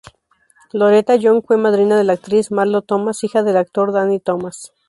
Loretta Young fue madrina de la actriz Marlo Thomas, hija del actor Danny Thomas.